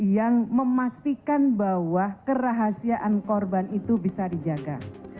yang memastikan bahwa kerahasiaan korban itu bisa dijaga